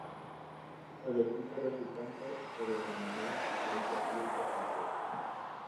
El equipo resultante se denominó Palencia Club de Fútbol.